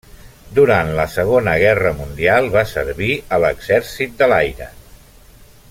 Durant la Segona Guerra Mundial va servir a l'exèrcit de l'aire.